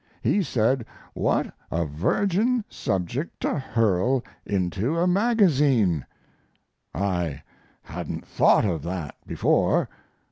He said, "What a virgin subject to hurl into a magazine!" I hadn't thought of that before.